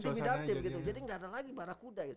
intimidatif jadi gak ada lagi barah kuda